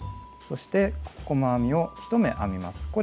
そして細編みを１目編みます。